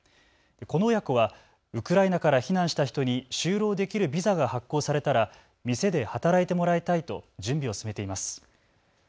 この親子はウクライナから避難した人に就労できるビザが発行されたら店で働いてもらいたいと準備を進めています。